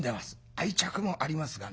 愛着もありますがね